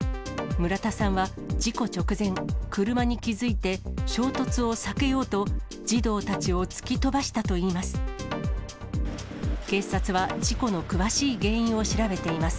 村田さんは、事故直前、車に気付いて、衝突を避けようと、児童たちを突き飛ばしたといいます。